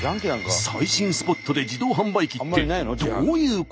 最新スポットで自動販売機ってどういうこと？